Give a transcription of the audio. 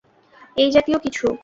এই জাতীয় কিছু?